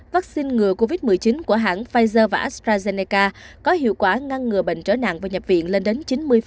vaccine ngừa covid một mươi chín của hãng pfizer và astrazeneca có hiệu quả ngăn ngừa bệnh trở nặng và nhập viện lên đến chín mươi